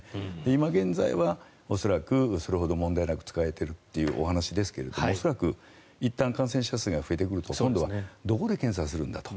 今現在は恐らくそれほど問題なく使えているというお話ですが恐らく、いったん感染者数が増えてくると今度はどこで検査するんだと。